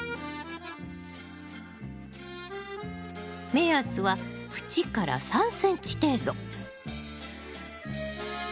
目安は縁から３ｃｍ程度。